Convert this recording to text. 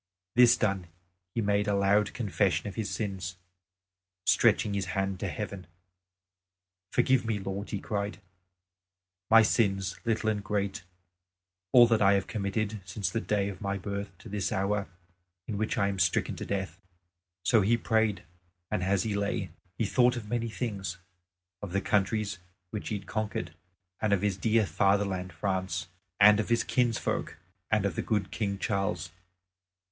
This done, he made a loud confession of his sins, stretching his hand to heaven, "Forgive me, Lord," he cried, "my sins, little and great, all that I have committed since the day of my birth to this hour in which I am stricken to death." So he prayed; and, as he lay, he thought of many things, of the countries which he had conquered, and of his dear fatherland France, and of his kinsfolk, and of the good King Charles.